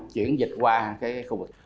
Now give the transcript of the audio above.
chuyển dịch qua cái khu vực